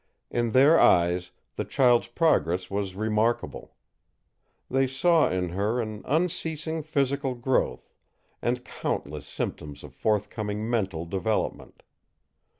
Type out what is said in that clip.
In their eyes, the child's progress was remarkable. They saw in her an unceasing physical growth, and countless symptoms of forthcoming mental development.